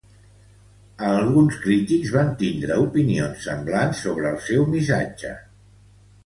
Alguns crítics van tindre opinions semblants sobre el seu missatge.